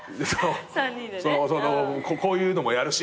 こういうのもやるし。